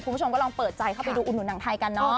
คุณผู้ชมก็ลองเปิดใจเข้าไปดูอุดหนุนหนังไทยกันเนอะ